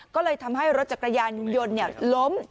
ก็เลยทำให้รถจักรยานยนต์ล้ม